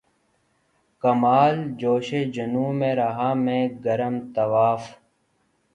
کمال جوش جنوں میں رہا میں گرم طواف